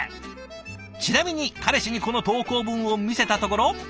ちなみに彼氏にこの投稿文を見せたところ。